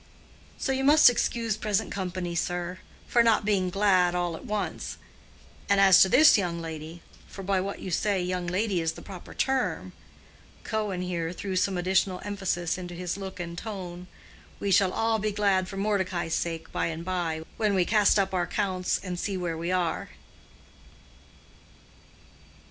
So you must excuse present company, sir, for not being glad all at once. And as to this young lady—for by what you say 'young lady' is the proper term"—Cohen here threw some additional emphasis into his look and tone—"we shall all be glad for Mordecai's sake by and by, when we cast up our accounts and see where we are."